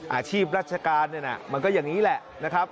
อาชีพรัชกาลมันก็อย่างนี้แหละนะครับ